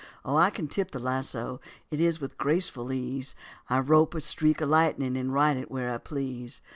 Oh, I can tip the lasso, it is with graceful ease; I rope a streak of lightning, and ride it where I please.